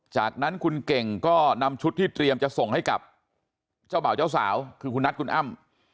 จากนั้นคุณเก่งก็นำชุดที่เตรียมจะส่งให้กับเจ้าบ่าวเจ้าสาวคือคุณนัทคุณอ้ำ